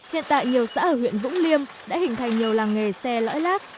hiện tại nhiều xã ở huyện vũng liêm đã hình thành nhiều làng nghề xe lõi lát